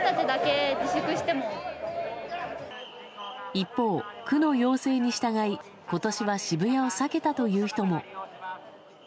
一方、区の要請に従い今年は渋谷を避けたという人も。